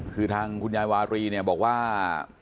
คือทางคุณยายวารีเนี่ยบอกว่า